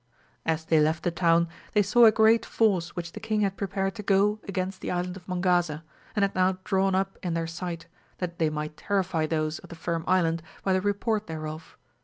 As they left the town they saw a great force which the king had prepared to go against the island of Mongaza, and had now drawn up in their sight, that they might terrify those of the Firm Island by the report thereof.